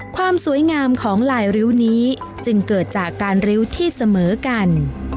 ความสวยงามของลายริ้วนี้จึงเกิดจากการริ้วที่เสมอกัน